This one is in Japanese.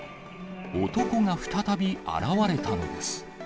男が再び現れたのです。